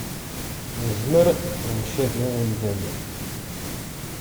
Nezmer ad ncabi imdanen